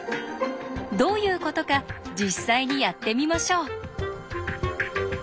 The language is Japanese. どういうことか実際にやってみましょう。